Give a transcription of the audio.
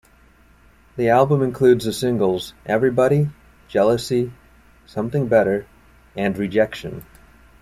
The album includes the singles "Everybody", "Jealousy", "Something Better" and "Rejection".